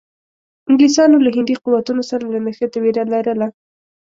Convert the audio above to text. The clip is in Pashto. انګلیسانو له هندي قوتونو سره له نښتې وېره لرله.